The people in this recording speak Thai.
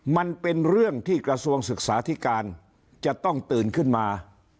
มันเป็นเรื่องที่กระทรวงศึกษาธิการจะต้องตื่นขึ้นมา